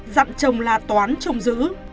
dặn chồng là toán chồng giữ